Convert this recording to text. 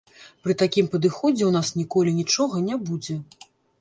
Пры такім падыходзе ў нас ніколі нічога не будзе!